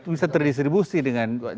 maka yang terdistribusi dengan jokowi